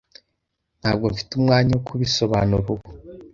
Ntabwo mfite umwanya wo kubisobanura ubu.